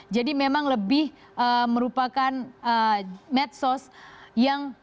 memang lebih merupakan medsos yang